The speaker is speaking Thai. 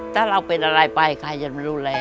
ถ้าเราเป็นอะไรไปใครจะมาดูแล